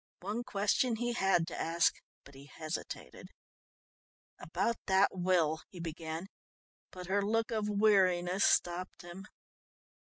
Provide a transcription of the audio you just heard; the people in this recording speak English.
One question he had to ask but he hesitated. "About that will " he began, but her look of weariness stopped him.